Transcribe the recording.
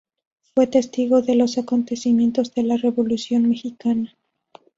Fue testigo de los acontecimientos de la Revolución Mexicana.